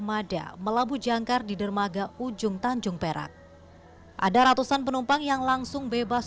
mada melabuh jangkar di dermaga ujung tanjung perak ada ratusan penumpang yang langsung bebas